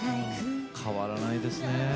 変わらないですね。